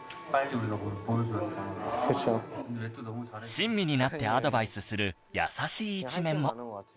親身になってアドバイスする優しい一面も